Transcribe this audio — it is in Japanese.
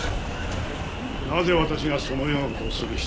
なぜ私がそのような事をする必要があるのかね？